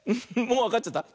もうわかっちゃった？